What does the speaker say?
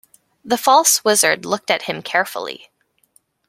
The false wizard looked at him carefully.